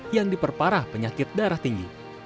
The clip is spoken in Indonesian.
yang diperparah penyakit darah tinggi